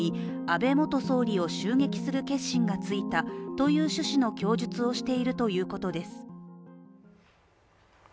安倍元総理を襲撃する決心がついたという趣旨の供述をしているということです。